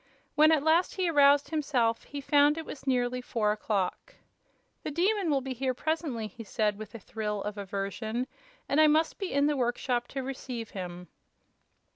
When at last he aroused himself, he found it was nearly four o'clock. "The Demon will be here presently," he said, with a thrill of aversion, "and I must be in the workshop to receive him."